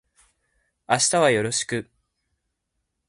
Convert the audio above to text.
明日はよろしく